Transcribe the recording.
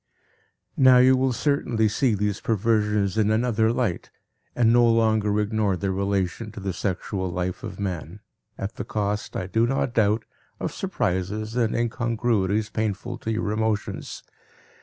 Now you will certainly see these perversions in another light and no longer ignore their relation to the sexual life of man, at the cost, I do not doubt, of surprises and incongruities painful to your emotions.